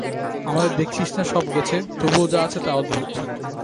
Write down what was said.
আমাদের দেখছিস না সব গেছে, তবু যা আছে তা অদ্ভুত।